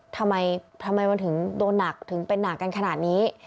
ทำไมทำไมมันถึงโดนหนักถึงเป็นหนักกันขนาดนี้